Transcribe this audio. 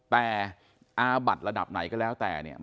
แต่อาบัติระดับไหนก็แล้วแต่เนี่ย